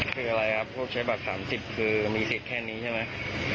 คืออะไรครับพวกใช้บัตร๓๐คือมีสิทธิ์แค่นี้ใช่ไหม